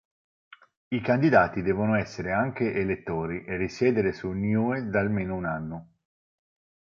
I candidati devono essere anche elettori e risiedere su Niue da almeno un anno.